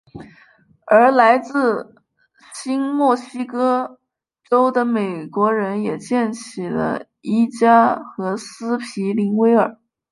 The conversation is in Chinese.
而来自新墨西哥州的美国人也建起了伊加和斯皮灵威尔。